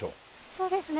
そうですね。